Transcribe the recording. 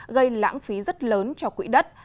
gây lãng phí rất lớn cho quỹ đất